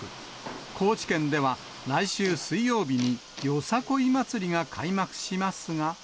高知県では来週水曜日によさこい祭りが開幕しますが。